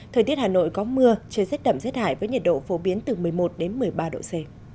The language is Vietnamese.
thời tiết hà nội có mưa trời rất đậm rất hải với nhiệt độ phổ biến từ một mươi một đến một mươi ba độ c